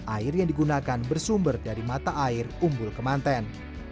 air yang digunakan bersumber dari mata air umbul kemanten